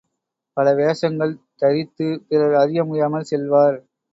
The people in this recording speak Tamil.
பல வேஷங்கள் தரித்துப் பிறர் அறியமுடியாமல் செல்வார்.